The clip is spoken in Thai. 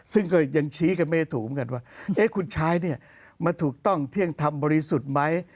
ซึ่งก็ยังชี้กันไม่ได้ถูกเหมือนกันว่าคุณใช้เนี่ยมันถูกต้องเที่ยงธรรมบริสุทธิ์ไหม